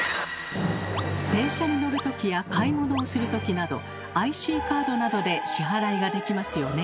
電車に乗るときや買い物をするときなどＩＣカードなどで支払いができますよね。